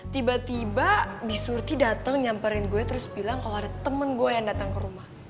tiba tiba bisurti dateng nyamperin gue terus bilang kalo ada temen gue yang dateng ke rumah